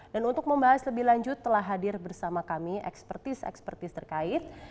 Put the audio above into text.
dan untuk membahas lebih lanjut telah hadir bersama kami ekspertis ekspertis terkait